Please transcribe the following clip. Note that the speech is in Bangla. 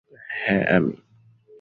হ্যাঁ, আমি।